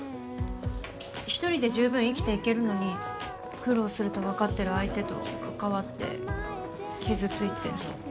一人でじゅうぶん生きていけるのに苦労すると分かってる相手と関わって傷ついて。